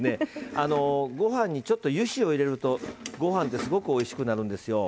ご飯にちょっと油脂を入れるとご飯って、すごくおいしくなるんですよ。